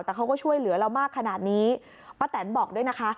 แต่เขาก็ช่วยเหลือเรามากขนาดนี้ป้าแตนบอกด้วยนะคะ